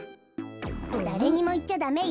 だれにもいっちゃダメよ。